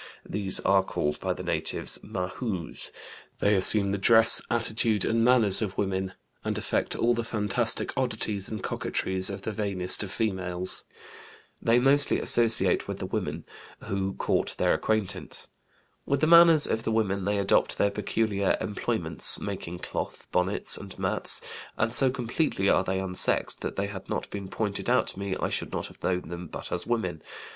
These are called by the natives Mahoos; they assume the dress, attitude, and manners of women, and affect all the fantastic oddities and coquetries of the vainest of females. They mostly associate with the women, who court their acquaintance. With the manners of the women they adopt their peculiar employments, making cloth, bonnets, and mats; and so completely are they unsexed that had they not been pointed out to me I should not have known them but as women.